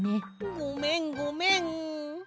ごめんごめん！